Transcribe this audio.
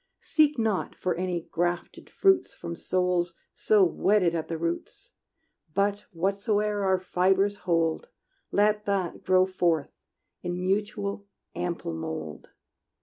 Seek not for any grafted fruits From souls so wedded at the roots; But whatsoe'er our fibres hold, Let that grow forth in mutual, ample mold!